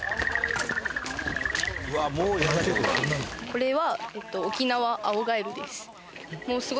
これは。